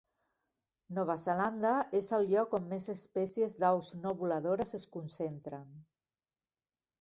Nova Zelanda és el lloc on més espècies d'aus no voladores es concentren.